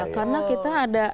karena kita ada